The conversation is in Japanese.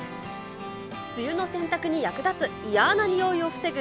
梅雨の洗濯に役立ついやーな臭いを防ぐ